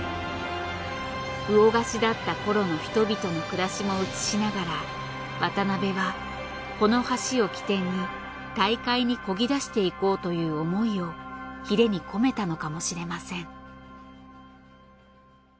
魚河岸だった頃の人々の暮らしも映しながら渡辺はこの橋を起点に大海に漕ぎ出していこうという思いをヒレに込めたのかもしれません。